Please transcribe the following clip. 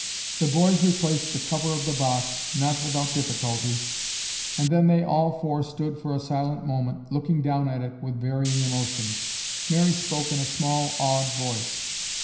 The boys replaced the cover of the box, not without difficulty, and then they all four stood for a silent moment looking down at it with varying emotions. Mary spoke in a small awed voice.